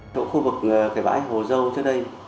độ khu vực vải hồ dâu trước đây